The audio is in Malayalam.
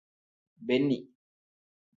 ബെന്നി